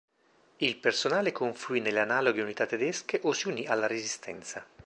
Il personale confluì nelle analoghe unità tedesche o si unì alla resistenza.